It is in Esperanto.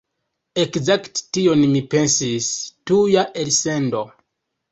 Ekzakte tion mi pensis... tuja elsendo